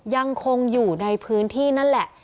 ยังคงอยู่ในพื้นที่นั่นแหละ